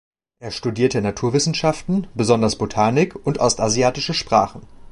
Er studierte Naturwissenschaften, besonders Botanik und ostasiatische Sprachen.